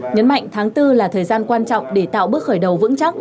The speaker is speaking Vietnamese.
nhấn mạnh tháng bốn là thời gian quan trọng để tạo bước khởi đầu vững chắc